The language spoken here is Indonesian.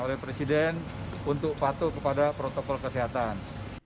oleh presiden untuk patuh kepada protokol kesehatan